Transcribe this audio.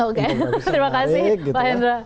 oke terima kasih pak hendra